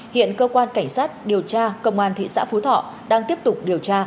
hiện cơ quan cảnh sát điều tra công an thị xã phú thọ đang tiếp tục điều tra